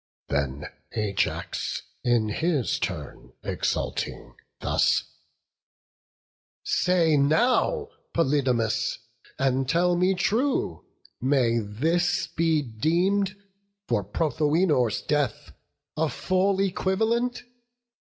Then Ajax, in his turn, exulting, thus: "Say now, Polydamas, and tell me true, May this be deem'd for Prothoenor's death A full equivalent?